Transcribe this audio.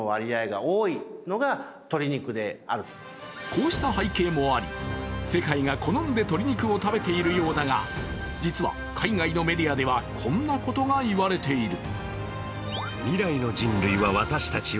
こうした背景もあり世界が好んで鶏肉を食べているようだが実は、海外のメディアではこんなことが言われている。